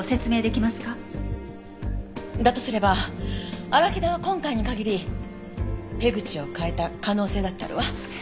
だとすれば荒木田は今回に限り手口を変えた可能性だってあるわ。